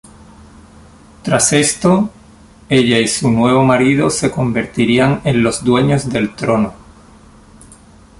Tras esto, ella y su nuevo marido se convertirían en los dueños del trono.